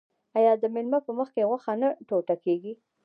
آیا د میلمه په مخکې غوښه نه ټوټه کیږي؟